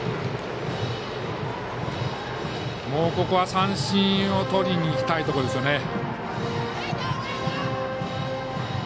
ここは三振をとりにいきたいところですね。